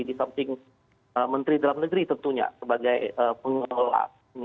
disamping menteri dalam negeri tentunya sebagai pengelola